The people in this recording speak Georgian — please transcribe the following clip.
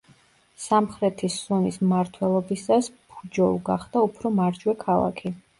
სამხრეთის სუნის მმართველობისას ფუჯოუ გახდა უფრო მარჯვე ქალაქი.